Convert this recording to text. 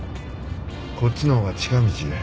こっちのほうが近道や。